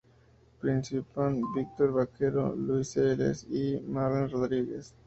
Participan Víctor Barquero, Luis Siles y Marlene Rodríguez.